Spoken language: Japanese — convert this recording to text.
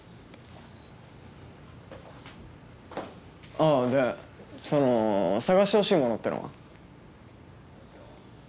あっでその探してほしいものってのは？